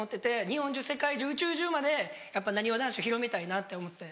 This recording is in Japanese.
日本中世界中宇宙中までやっぱなにわ男子を広めたいなって思って。